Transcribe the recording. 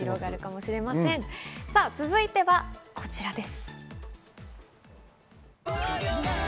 続いてはこちらです。